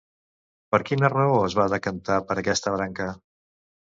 Per quina raó es va decantar per aquesta branca?